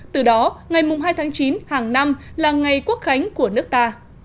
từ đó ngày hai tháng chín hàng năm là ngày quốc khánh của nước ta